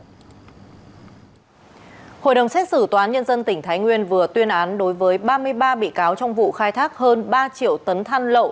hội đồng xét xử tòa án nhân dân tỉnh thái nguyên vừa tuyên án đối với ba mươi ba bị cáo trong vụ khai thác hơn ba triệu tấn than lậu